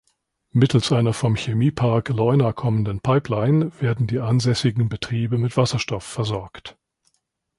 Mittels einer vom Chemiepark Leuna kommenden Pipeline werden die ansässigen Betriebe mit Wasserstoff versorgt.